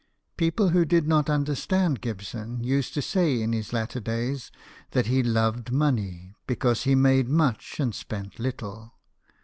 People who did not understand Gibson used to say in his later days that he loved money, because he made much and spent little.